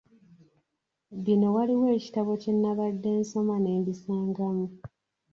Bino waliwo ekitabo kye nnabadde nsoma ne mbisangamu.